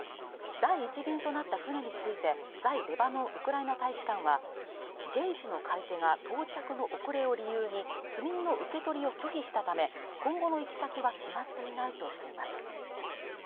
第１便となった船について在レバノンウクライナ大使館は現地の買い手が到着の遅れを理由に積み荷の受け取りを拒否したため今後の行き先は決まっていないとしています